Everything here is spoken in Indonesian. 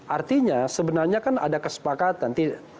artinya sebenarnya kan ada kesepakatan